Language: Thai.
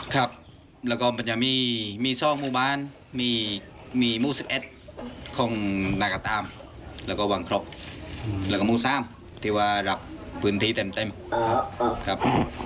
ครับแล้วก็มันจะมีซอกหมู่บ้านมีหมู่๑๑ของนากระตามแล้วก็วังครบแล้วก็หมู่๓ที่ว่ารับพื้นที่เต็มครับ